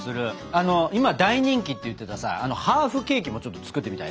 あの今大人気って言ってたさハーフケーキもちょっと作ってみたいね。